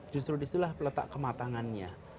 justru disitulah peletak kematangannya